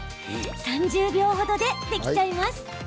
３０秒程でできちゃいます。